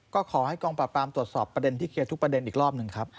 ก็ขอให้กองปราบปรามตรวจสอบประเด็นที่เคลียร์ทุกประเด็นอีกรอบหนึ่งครับ